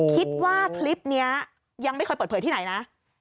คิดว่าคลิปนี้ยังไม่เคยเปิดเผยที่ไหนนะ